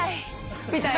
みたいな。